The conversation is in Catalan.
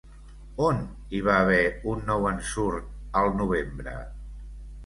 On hi va haver un nou ensurt al novembre?